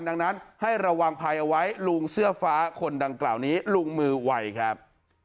ดังนั้นให้ระวังภัยเอาไว้ลุงเสื้อฟ้าคนดังกล่าวนี้ลุงมือไวครับ